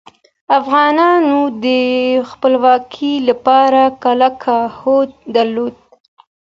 افغانانو د خپلواکۍ لپاره کلک هوډ درلود.